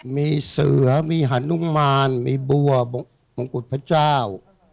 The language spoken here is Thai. มีเสือมีฮานุมานมีบัวมงกุฎพระเจ้า